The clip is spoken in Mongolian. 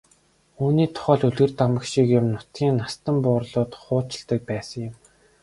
Үүний тухай л үлгэр домог шиг юм нутгийн настан буурлууд хуучилдаг байсан юм.